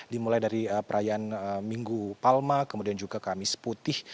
dimulai dari perayaan minggu palma kemudian juga kamis putih